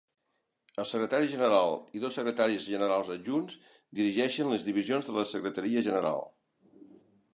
El Secretari General i dos Secretaris Generals Adjunts dirigeixen les divisions de la Secretaria General.